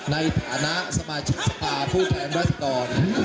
ในฐานะสมาชาปุทธรรมรัฐศักดร